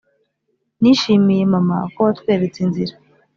"nishimiye mama ko watweretse inzira".